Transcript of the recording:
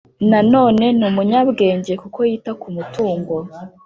Nanone ni umunyabwenge kuko yita ku mutungo